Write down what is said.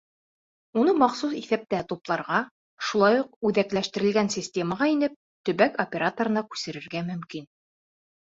Уны махсус иҫәптә тупларға, шулай уҡ үҙәкләштерелгән системаға инеп, төбәк операторына күсерергә мөмкин.